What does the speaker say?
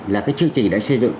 là cái chương trình đã xây dựng